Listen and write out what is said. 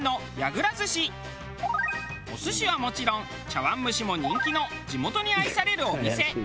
お寿司はもちろん茶碗蒸しも人気の地元に愛されるお店。